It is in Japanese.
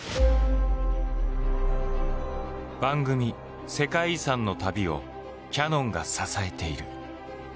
番組「世界遺産」の旅をキヤノンが支えている。